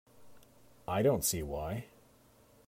I don't see why.